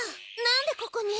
何でここに？